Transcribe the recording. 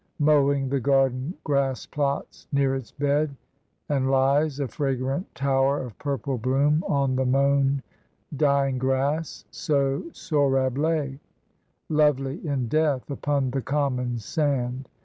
Mowing the garden grass plots near its bed, And lies, a fragrant tower of purple bloom, On the mown, dying grass: so Sohrab lay, Lovely in death, upon the common sand.